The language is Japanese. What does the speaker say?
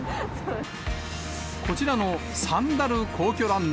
こちらのサンダル皇居ランナ